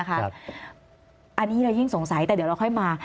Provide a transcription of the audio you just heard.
อันนี้เรายิ่งสงสัยแต่เดี๋ยวเราค่อยมา